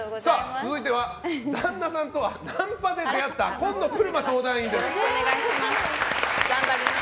続いては、旦那さんとはナンパで出会ったよろしくお願いします。